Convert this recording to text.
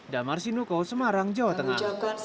damar sinuko semarang jawa tengah